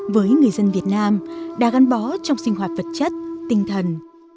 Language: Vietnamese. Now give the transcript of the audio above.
với người dân việt nam đã gắn bó trong sinh hoạt vật chất tinh thần